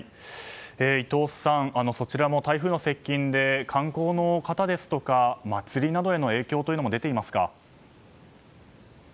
伊藤さんそちらも台風の接近で観光の方ですとか祭りなどへの影響というのも出ていますか。